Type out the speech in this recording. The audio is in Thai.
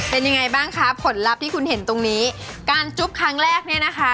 เป็นยังไงบ้างคะผลลัพธ์ที่คุณเห็นตรงนี้การจุ๊บครั้งแรกเนี่ยนะคะ